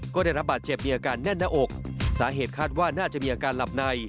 ก็ได้รับบาดเจ็บมีอาการแน่นหน้าอก